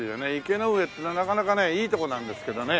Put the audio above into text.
池ノ上っていうのはなかなかねいいとこなんですけどね。